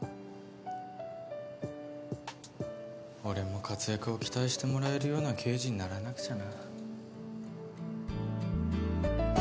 俺も活躍を期待してもらえるような刑事にならなくちゃな。